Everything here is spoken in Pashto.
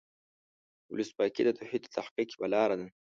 ولسواکي د توحید د تحقق یوه لاره ده.